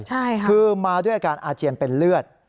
ใช่ค่ะคือมาด้วยอาการอาเจียนเป็นเลือด